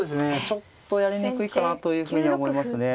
ちょっとやりにくいかなというふうには思いますね。